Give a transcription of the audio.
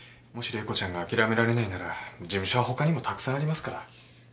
もし玲子ちゃんがあきらめられないなら事務所はほかにもたくさんありますから。